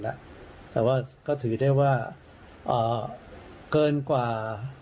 แต่ว่าก็ถือได้ว่าเกินกว่า